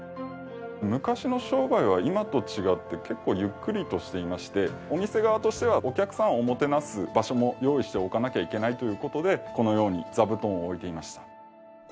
昔の商売は今と違って結構ゆっくりとしていましてお店側としてはお客さんをもてなす場所も用意しておかなきゃいけないという事でこのように座布団を置いていました。